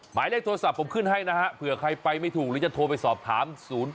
หมายเลขโทรศัพท์ผมขึ้นให้นะฮะเผื่อใครไปไม่ถูกหรือจะโทรไปสอบถาม๐๘